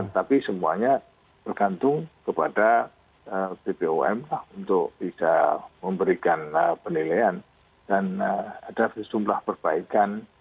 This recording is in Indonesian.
tapi semuanya bergantung kepada bpom untuk bisa memberikan penilaian dan ada sejumlah perbaikan